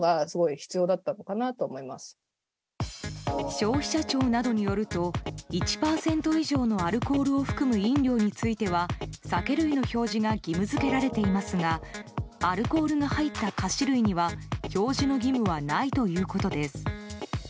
消費者庁などによると１％以上のアルコールを含む飲料については、酒類の表示が義務付けられていますがアルコールが入った菓子類には表示の義務はないということです。